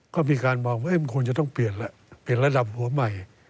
ก็มีการบอกว่าควรจะต้องเปลี่ยนปรี๋ยระดับหัวใหม่